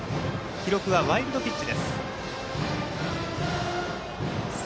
記録はワイルドピッチ。